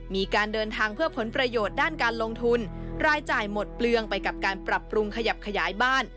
มีการเดินทางเพื่อผลประโยชน์ด้านการลงทุนรายจ่ายหมดเปลืองไปกับการปรับปรุงขยับขยายบ้าน